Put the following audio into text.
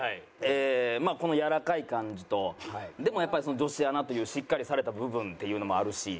まあこのやわらかい感じとでもやっぱり女子アナというしっかりされた部分っていうのもあるし。